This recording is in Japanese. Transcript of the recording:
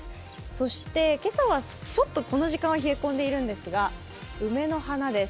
そして今朝はちょっとこの時間は冷え込んでいるんですが梅の花です。